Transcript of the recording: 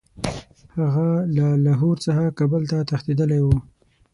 هغه له لاهور څخه کابل ته تښتېتدلی وو.